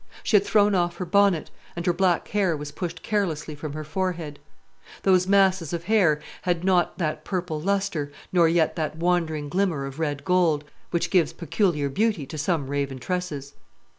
She had thrown off her bonnet, and her black hair was pushed carelessly from her forehead. Those masses of hair had not that purple lustre, nor yet that wandering glimmer of red gold, which gives peculiar beauty to some raven tresses.